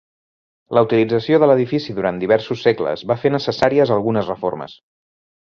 La utilització de l'edifici durant diversos segles va fer necessàries algunes reformes.